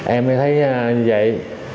em mới thấy như vậy